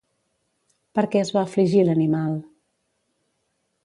Per què es va afligir l'animal?